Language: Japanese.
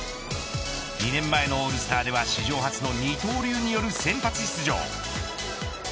２年前のオールスターでは史上初の二刀流による先発出場。